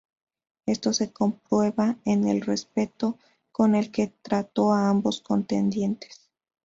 Esto se comprueba en el respeto con el que trató a ambos contendientes.